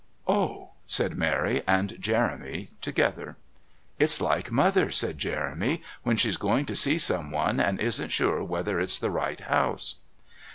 "Oh," said Mary and Jeremy together. "It's like Mother," said Jeremy, "when she's going to see someone and isn't sure whether it's the right house."